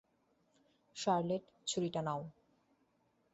Charlotte, ছুরিটা নাও।